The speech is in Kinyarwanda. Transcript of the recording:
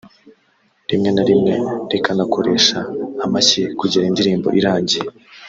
Rimwe na rimwe rikanakoresha amashyi kugera indirimbo irangiye